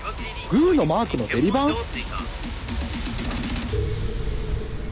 グのマークのデリバン？